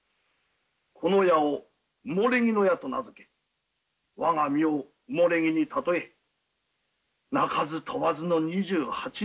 この舎を埋木舎と名付け我が身を埋木に例え鳴かず飛ばずの２８年。